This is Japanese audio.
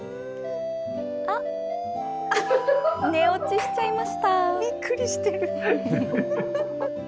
あっ、寝落ちしちゃいました。